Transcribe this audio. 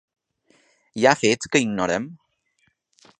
Hi ha fets que ignorem?